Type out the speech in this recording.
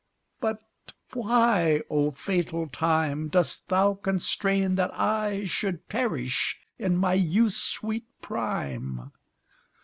But why, O fatal time, Dost thou constrain that I Should perish in my youth's sweet prime?